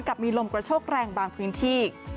มีลมกระโชกแรงบางพื้นที่